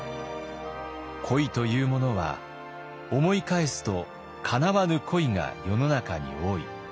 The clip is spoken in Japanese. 「恋というものは思い返すとかなわぬ恋が世の中に多い。